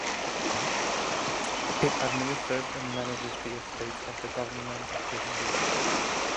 It administers and manages the estates of the Government of India.